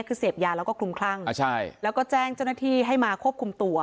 คือเสพยาแล้วก็คลุมคลั่งแล้วก็แจ้งเจ้าหน้าที่ให้มาควบคุมตัว